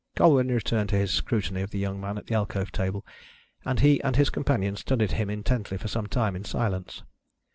Colwyn returned to his scrutiny of the young man at the alcove table, and he and his companion studied him intently for some time in silence.